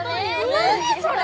「何それ！？」